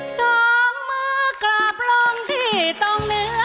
สองมือกลับลงที่ตรงนี้ล่ะ